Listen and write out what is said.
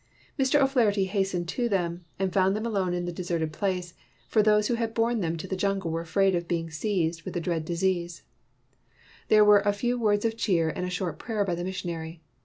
'' Mr. O 'Flaherty hastened to them, and found them alone in the deserted place ; for those who had borne them to the jungle were afraid of being seized with the dread 162 TEACHING MAKES NEW MEN disease. There were a few words of cheer and a short prayer by the missionary.